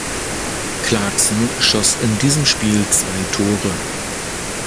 Clarkson schoss in diesem Spiel zwei Tore.